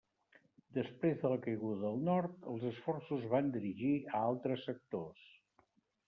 Després de la caiguda del Nord, els esforços es van dirigir a altres sectors.